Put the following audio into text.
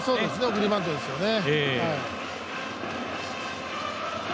送りバントですよね。